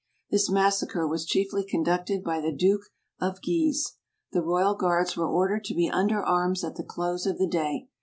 This massacre was chiefly conducted by the duke of Guise. The royal guards were ordered to be under arms at the close of the day.